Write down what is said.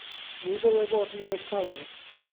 Ni ddylai fod yn waith caled.